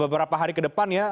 beberapa hari ke depan ya